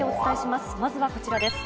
まずはこちらです。